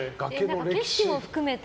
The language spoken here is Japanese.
景色も含めて